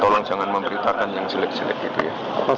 tolong jangan memberitakan yang jelek jelek gitu ya